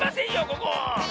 ここ！